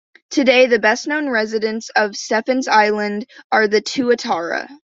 Today, the best known residents of Stephens Island are the tuatara.